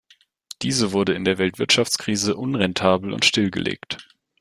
Diese wurde in der Weltwirtschaftskrise unrentabel und stillgelegt.